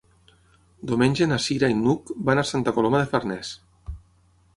Diumenge na Cira i n'Hug van a Santa Coloma de Farners.